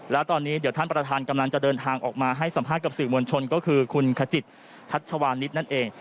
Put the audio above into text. แล้วตอนนี้เดี๋ยวท่านประธานกำลังจะเดินทางออกมาให้สัมภาษณ์กับสื่อมวลชนก็คือคุณขจิตทัชวานิสนั่นเอง